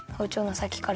さきから。